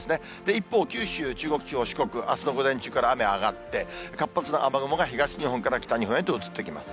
一方、九州、中国地方、四国、あすの午前中から雨上がって、活発な雨雲が東日本、北日本へと移ってきます。